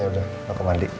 ya udah mau ke mandi